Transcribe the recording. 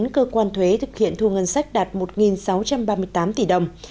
cơ quan thuế thực hiện thu ngân sách đạt một sáu trăm ba mươi tám tỷ đồng